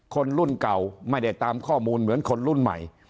คนรุ่นเก่าไม่ได้ตามข้อมูลเหมือนคนรุ่นใหม่